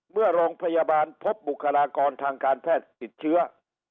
เมื่อโรงพยาบาลพบบุคลากรทางการแพทย์ติดเชื้อ